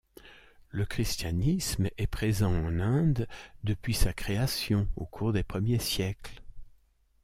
Le christianisme est présent en Inde depuis sa création au cours des premiers siècles.